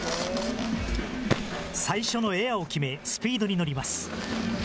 最初のエアを決め、スピードに乗ります。